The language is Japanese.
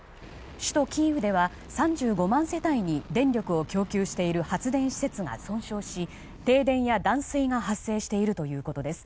首都キーウでは３５万世帯に電力を供給している発電施設が損傷し停電や断水が発生しているということです。